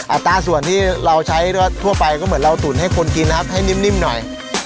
ต้าส่วนที่เราใช้ทั่วไปก็เหมือนเราตุ๋นให้คนกินนะครับให้นิ่มหน่อย